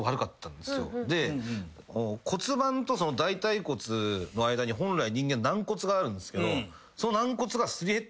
骨盤と大腿骨の間に本来人間軟骨があるんすけどその。